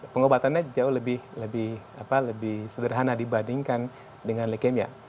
pengobatannya jauh lebih sederhana dibandingkan dengan leukemia